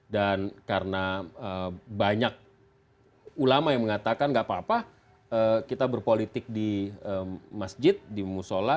dan karena banyak ulama yang mengatakan gak apa apa kita berpolitik di masjid di musola